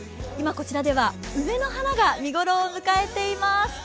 今こちらでは梅の花が見頃を迎えています。